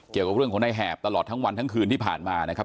เกี่ยวกับเรื่องของในแหบตลอดทั้งวันทั้งคืนที่ผ่านมานะครับ